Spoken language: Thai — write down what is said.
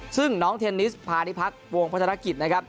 ซึ่งน้องเทนนิสพาณิพักษ์วงพัฒนกิจนะครับ